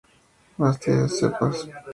La Bastide-de-Besplas